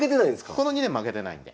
この２年負けてないんで。